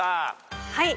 はい。